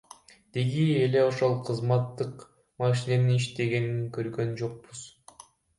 Деги эле ошол кызматтык машиненин иштегенин көргөн жокпуз.